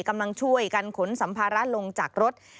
กำลังช่วยกันขนสัมภาระลงจากรถ